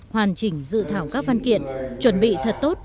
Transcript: hoàn chỉnh dự thảo các văn kiện chuẩn bị thật tốt